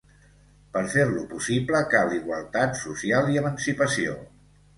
Per fer-lo possible cal igualtat social i emancipació.